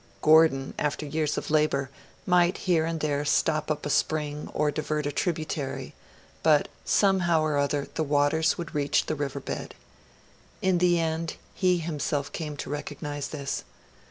Gordon, after years of labour, might here and there stop up a spring or divert a tributary, but, somehow or other the waters would reach the river bed. In the end, he himself came to recognise this.